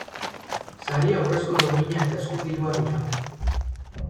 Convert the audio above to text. Saria urrezko domina eta esku-dirua dira.